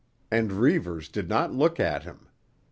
And Reivers did not look at him.